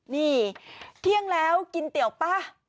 นี่เที่ยงแล้วกินเตี๋ยวป่ะ